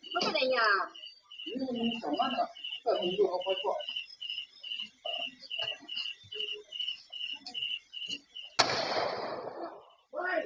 ตายไปหนึ่งเจ็บอีกสองนะครับ